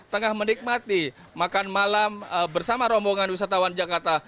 tengah menikmati makan malam bersama rombongan wisatawan jakarta